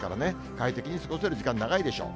快適に過ごせる時間長いでしょう。